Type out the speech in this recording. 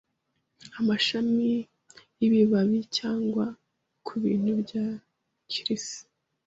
amashami y'ibibabiCyangwa kubintu bya kirisi